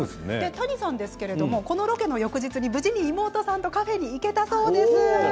谷さんはこのロケの翌日に無事に妹さんとカフェに行かれたそうです。